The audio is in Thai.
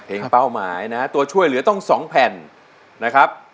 เป้าหมายนะฮะตัวช่วยเหลือต้อง๒แผ่นนะครับ